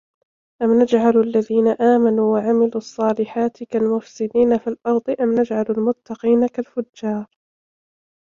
أَم نَجعَلُ الَّذينَ آمَنوا وَعَمِلُوا الصّالِحاتِ كَالمُفسِدينَ فِي الأَرضِ أَم نَجعَلُ المُتَّقينَ كَالفُجّارِ